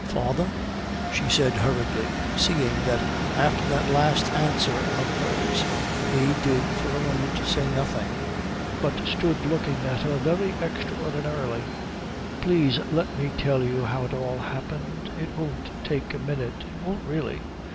"Father," she said hurriedly, seeing that after that last answer of hers he did for a moment say nothing, but stood looking at her very extraordinarily, "please let me tell you how it all happened. It won't take a minute it won't really.